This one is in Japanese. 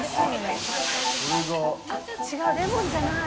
戞あっ違うレモンじゃない！